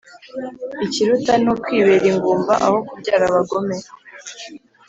Ikiruta ni ukwibera ingumba aho kubyara abagome